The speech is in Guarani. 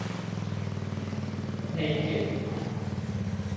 ¡Néike!